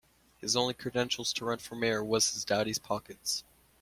His only credentials to run for mayor was his daddy's pockets.